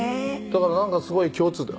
だからなんかすごい共通点。